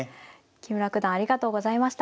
木村九段ありがとうございました。